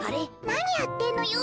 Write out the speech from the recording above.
なにやってんのよ。